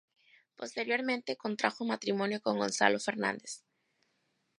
Posteriormente contrajo matrimonio con Gonzalo Fernández.